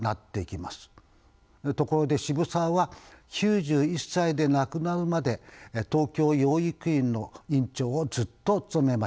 ところで渋沢は９１歳で亡くなるまで東京養育院の院長をずっと務めました。